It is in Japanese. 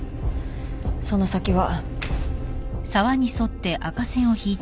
その先は。